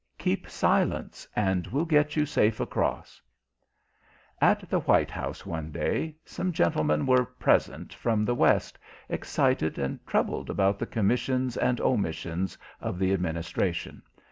"KEEP SILENCE, AND WE'LL GET YOU SAFE ACROSS" At the White House one day some gentlemen were present from the West, excited and troubled about the commissions and omissions of the Administration.